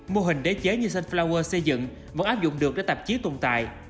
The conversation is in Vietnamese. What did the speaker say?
mô hình đế chế như sunflower xây dựng vẫn áp dụng được để tạp chí tồn tại